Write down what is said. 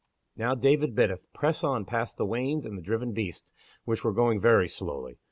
Now David biddeth press on past the wains and the driven beasts, which were going very slowly.